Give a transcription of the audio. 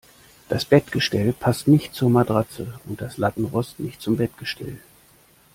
Das Bettgestell passt nicht zur Matratze und das Lattenrost nicht zum Bettgestell.